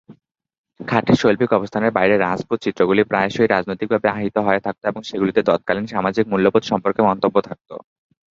খাঁটি শৈল্পিক অবস্থানের বাইরে, রাজপুত চিত্রগুলি প্রায়শই রাজনৈতিকভাবে আহিত হয়ে থাকত এবং সেগুলিতে তৎকালীন সামাজিক মূল্যবোধ সম্পর্কে মন্তব্য থাকত।